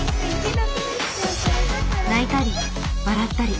泣いたり笑ったり。